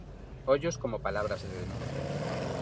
Ollos como palabras de denuncia.